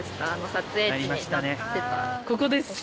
ここですね。